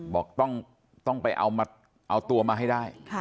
บอกต้องไปเอาตัวมาให้ได้